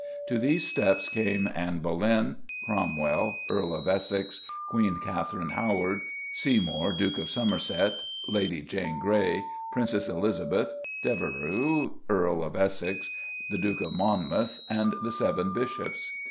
To these steps came Anne Boleyn; Cromwell, Earl of Essex; Queen Katherine Howard; Seymour, Duke of Somerset; Lady Jane Grey, Princess Elizabeth, Devereux, Earl of Essex; the Duke of Monmouth, and the Seven Bishops.